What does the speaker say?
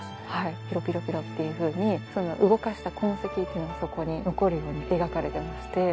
ピロピロピロっていうふうに動かした痕跡っていうのがそこに残るように描かれてまして。